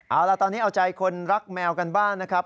เอาล่ะตอนนี้เอาใจคนรักแมวกันบ้างนะครับ